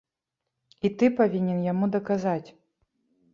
І ты павінен яму даказаць!